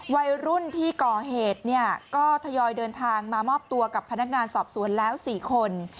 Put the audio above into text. วัยรุ่นที่ก่อเหตุเนี่ยก็ทยอยเดินทางมามอบตัวกับพนักงานสอบสวนแล้ว๔คน